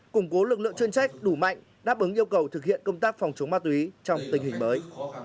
củng cố lực lượng chuyên trách đủ mạnh đáp ứng yêu cầu thực hiện công tác phòng chống ma túy trong tình hình mới